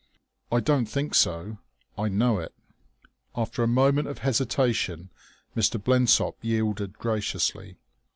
"I don't think so; I know it." After a moment of hesitation Mr. Blensop yielded graciously.